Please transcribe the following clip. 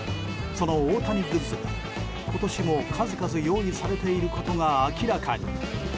その大谷グッズが今年も数々用意されていることが明らかに。